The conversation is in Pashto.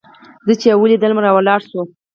زه چې يې وليدلم راولاړ سو.